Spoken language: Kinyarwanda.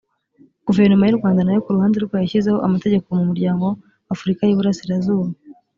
guverinoma yu rwanda nayo ku ruhande rwayo yashyizeho amategeko mumuryango wafurika yiburasirazuba